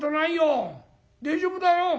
大丈夫だよ。